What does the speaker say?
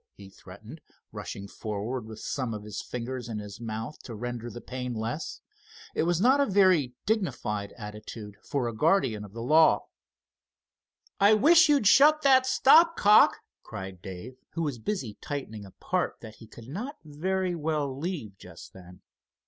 he threatened, rushing forward with some of his fingers in his mouth to render the pain less. It was not a very dignified attitude for a guardian of the law. "I wish you'd shut that stop cock!" cried Dave, who was busy tightening a part that he could not very well leave just then.